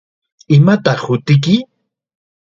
¿Imataq hutiyki?